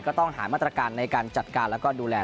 ก็ต้องหามาตรการในการจัดการแล้วก็ดูแล